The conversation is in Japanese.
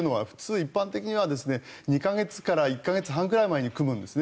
一般的には２か月から１か月半前に組むんですね。